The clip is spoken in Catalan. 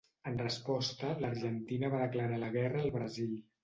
En resposta, l'Argentina va declarar la guerra al Brasil.